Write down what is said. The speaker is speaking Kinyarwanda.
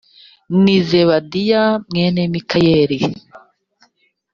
ni zebadiya mwene mikayeli